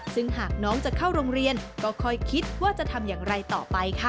ซึ่งหากน้องจะเข้าโรงเรียนก็ค่อยคิดว่าจะทำอย่างไรต่อไปค่ะ